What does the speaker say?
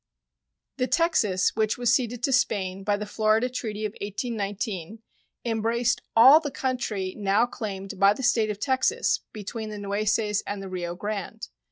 The Texas which was ceded to Spain by the Florida treaty of 1819 embraced all the country now claimed by the State of Texas between the Nueces and the Rio Grande.